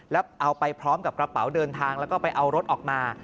แล้วเอาไปพร้อมกับกระเป๋าเดินทางแล้วก็ไปเอารถออกมา